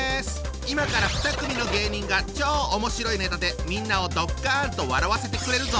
今から２組の芸人が超おもしろいネタでみんなをドッカンと笑わせてくれるぞ！